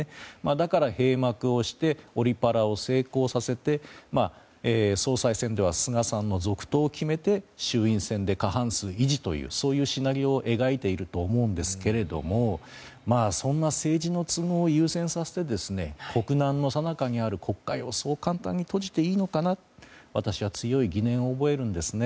だから閉幕をしてオリパラを成功させて総裁選では菅さんの続投を決めて衆院選で過半数維持というそういうシナリオを描いていると思うんですけれどもそんな政治の都合を優先させて国難のさなかにある国会をそう簡単に閉じていいのかなと私は強い疑念を覚えるんですね。